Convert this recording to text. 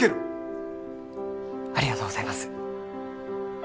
ありがとうございます。